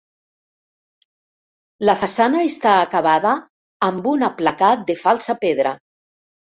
La façana està acabada amb un aplacat de falsa pedra.